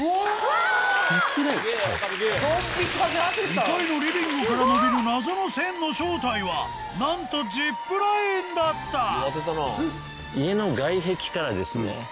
２階のリビングから伸びる謎の線の正体はなんと家の外壁からですね